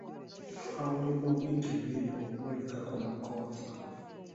Twaweebwa wiiki bbiri okulabikako mu kkooti.